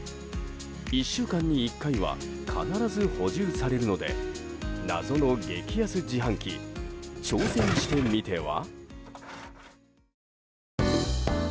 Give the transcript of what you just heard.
１週間に１回は必ず補充されるので謎の激安自販機挑戦してみては？